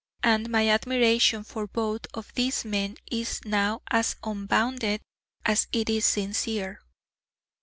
And my admiration for both of these men is now as unbounded as it is sincere.